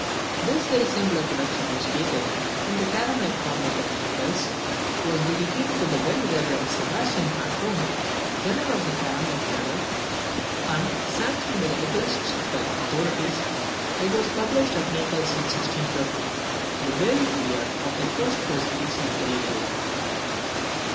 This very singular production was dated from the Carmelite convent at Naples; was dedicated to the very reverend Sebastian Fantoni, general of the Carmelite order; and, sanctioned by the ecclesiastical authorities, it was published at Naples in 1615, the very year of the first persecution of Galileo.